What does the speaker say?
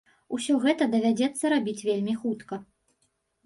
Усё гэта давядзецца рабіць вельмі хутка.